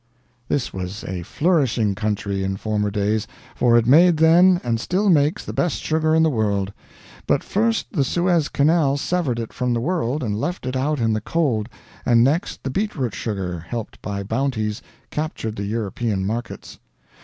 "This was a flourishing country in former days, for it made then and still makes the best sugar in the world; but first the Suez Canal severed it from the world and left it out in the cold and next the beetroot sugar helped by bounties, captured the European markets.